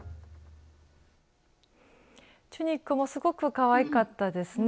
チュニックもすごくかわいかったですね。